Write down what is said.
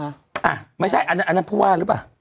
อ่ะไม่ใช่อันนั้นผู้ว่าหรือเปล่า